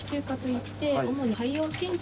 主に。